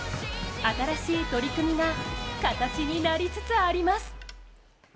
新しい取り組みが形になりつつあります